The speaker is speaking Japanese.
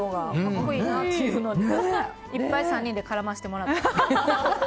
格好いいなってことでいっぱい３人で絡ませてもらって。